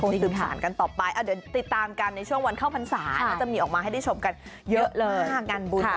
เดี๋ยวติดตามกันในช่วงวันเข้าพรรษาจะมีออกมาให้ได้ชมกันเยอะมาก